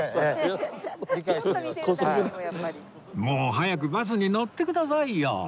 もう早くバスに乗ってくださいよ